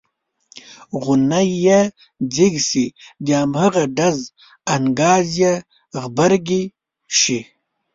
غونی یې ځیږ شي د هماغه ډز انګاز یې غبرګې شي.